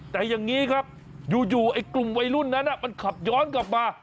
แต่อย่างนี้ครับอยู่ไอ้กลุ่มวัยรุ่นนั้นมันขับย้อนกลับมา